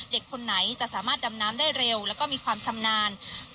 คนไหนจะสามารถดำน้ำได้เร็วแล้วก็มีความชำนาญ